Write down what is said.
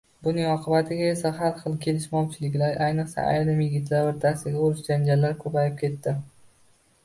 Buning oqibatida esa, har xil kelishmovchiliklar, ayniqsa, ayrim yigitlar oʻrtasida urush-janjallar koʻpayib ketdi.